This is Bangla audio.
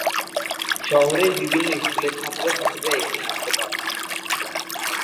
শহরের বিভিন্ন স্কুলের ছাত্র-ছাত্রীরা এখানে আসতে পারতো।